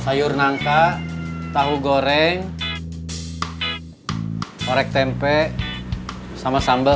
sayur nangka tahu goreng korek tempe sama sambal